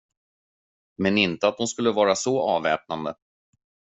Men inte att hon skulle vara så avväpnande.